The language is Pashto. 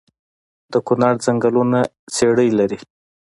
د کونړ ځنګلونه څیړۍ لري؟